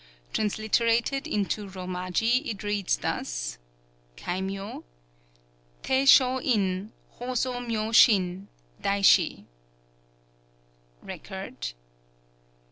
Transliterated into Romaji it reads thus: (Kaimyō.) Tei Shō In, HŌ SŌ MYŌ SHIN, Daishi. (Record.)